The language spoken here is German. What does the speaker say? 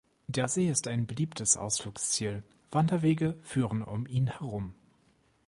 Der See ist ein beliebtes Ausflugsziel, Wanderwege führen um ihn herum.